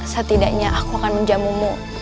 setidaknya aku akan menjamumu